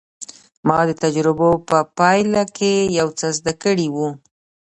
ما د تجربو په پايله کې يو څه زده کړي وو.